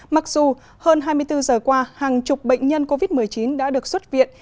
mặc dù hơn hai mươi bốn giờ qua hàng chục bệnh nhân covid một mươi chín đã được xuất viện